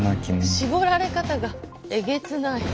絞られ方がえげつない。